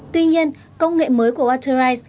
tuy nhiên công nghệ mới của waterize